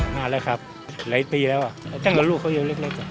มาแล้วครับหลายปีแล้วจ้างแล้วลูกเขาเยอะเล็ก